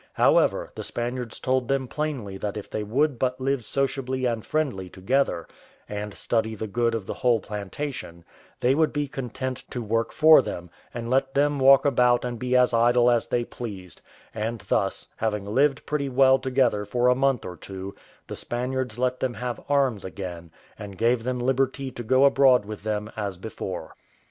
However, the Spaniards told them plainly that if they would but live sociably and friendly together, and study the good of the whole plantation, they would be content to work for them, and let them walk about and be as idle as they pleased; and thus, having lived pretty well together for a month or two, the Spaniards let them have arms again, and gave them liberty to go abroad with them as before.